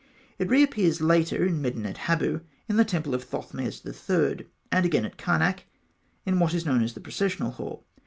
It reappears later at Medinet Habû, in the temple of Thothmes III., and again at Karnak, in what is known as the processional hall.